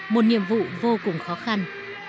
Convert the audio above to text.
một nhiệm vụ vô cùng khó khăn